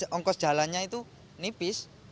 ongkos jalannya itu nipis